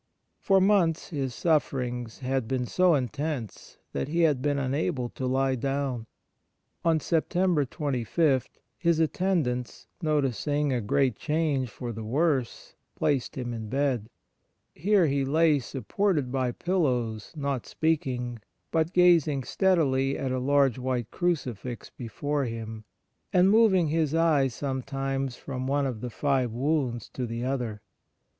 For months his sufferings had been so intense that he had been unable to lie down. On September 25 his atten dants, noticing a great change for the worse, placed him in bed. ' Here he lay supported by pillows, not speaking, but gazing steadily at a large white crucifix before him, and moving his eyes some times from one of the Five Wounds to the other. ...